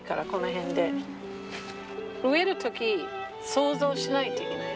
植える時想像しないといけない。